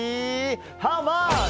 ハウマッチ。